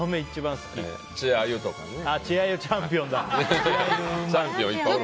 それもチャンピオンだ。